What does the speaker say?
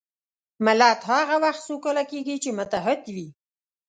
ملت هغه وخت سوکاله کېږي چې متحد وي.